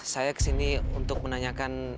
saya kesini untuk menanyakan sawah yang diberikan pak